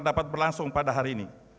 dapat berlangsung pada hari ini